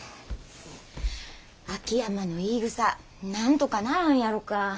秋山の言いぐさなんとかならんやろか。